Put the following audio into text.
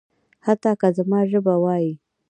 حتی که زما ژبه وايي.